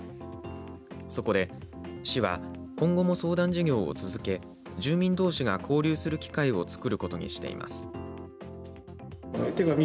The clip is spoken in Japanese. そこで市は今後も相談事業を続け住民どうしが交流する機会を作ることにしています。